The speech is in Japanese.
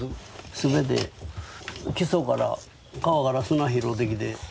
全て基礎から川から砂拾ってきて。